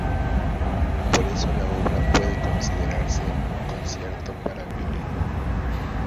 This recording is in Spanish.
Por eso la obra puede considerarse un concierto para violín.